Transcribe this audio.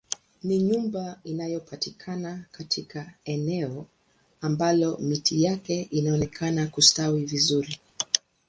Ni nyumba inayopatikana katika eneo ambalo miti yake inaonekana kustawi vizuri